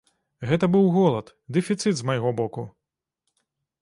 Гэта быў голад, дэфіцыт з майго боку.